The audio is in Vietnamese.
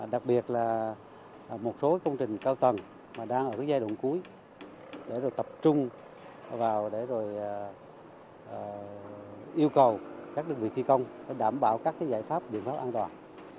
đặc biệt là một số công trình cao tầng mà đang ở giai đoạn cuối để tập trung vào để yêu cầu các đơn vị thi công đảm bảo các giải pháp biện pháp an toàn